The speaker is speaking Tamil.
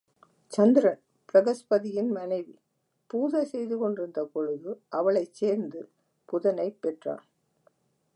சந்திரன் பிருகஸ்பதியின் மனைவி பூசை செய்து கொண்டிருந்த பொழுது அவளைச் சேர்ந்து புதனைப் பெற்றான்.